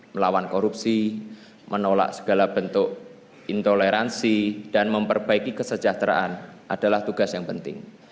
melawan korupsi menolak segala bentuk intoleransi dan memperbaiki kesejahteraan adalah tugas yang penting